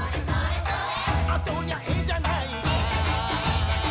「あそりゃえじゃないか」